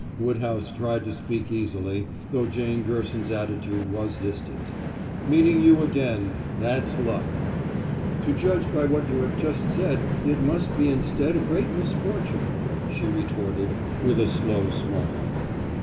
Woodhouse tried to speak easily, though Jane Gerson's attitude was distant. "Meeting you again that's luck." "To judge by what you have just said it must be instead a great misfortune," she retorted, with a slow smile.